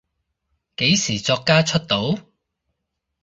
幾時作家出道？